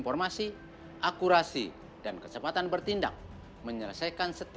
bisa saja terjadi